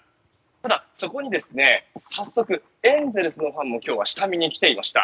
ただ、そこに早速エンゼルスのファンも今日は下見に来ていました。